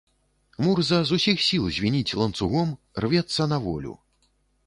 Мурза з усіх сіл звініць ланцугом, рвецца на волю.